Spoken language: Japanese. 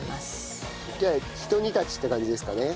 じゃあひと煮立ちって感じですかね？